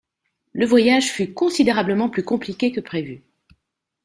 Le voyage fut considérablement plus compliqué que prévu.